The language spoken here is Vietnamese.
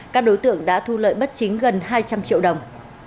các đối tượng đã thu lợi bất chính gần hai trăm linh triệu đồng